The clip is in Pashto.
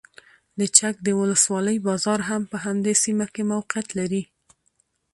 د چک د ولسوالۍ بازار هم په همدې سیمه کې موقعیت لري.